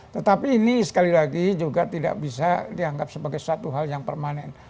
tetapi ini sekali lagi juga tidak bisa dianggap sebagai suatu hal yang permanen